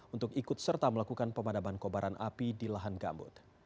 untuk ikut serta melakukan pemadaman kobaran api di lahan gambut